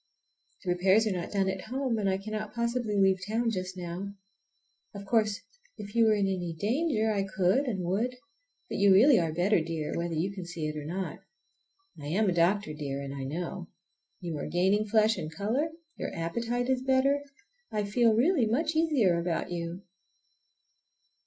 "The repairs are not done at home, and I cannot possibly leave town just now. Of course if you were in any danger I could and would, but you really are better, dear, whether you can see it or not. I am a doctor, dear, and I know. You are gaining flesh and color, your appetite is better. I feel really much easier about you."